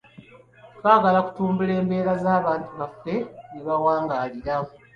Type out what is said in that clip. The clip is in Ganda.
Twagala okutumbula embeera abantu baffe mwe bawangaalira.